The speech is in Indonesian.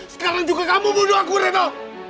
sekarang juga kamu bunuh aku reto